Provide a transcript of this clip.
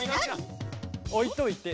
おいといて。